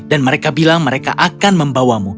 dan mereka bilang mereka akan membawamu